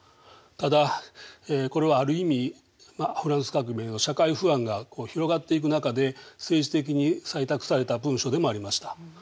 ただこれはある意味フランス革命の社会不安が広がっていく中で政治的に採択された文書でもありました。